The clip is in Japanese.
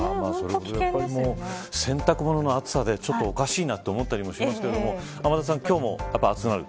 洗濯物の熱さでちょっとおかしいなと思ったりもしますけど天達さん、今日も暑くなる。